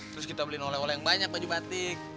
terus kita beliin oleh oleh yang banyak baju batik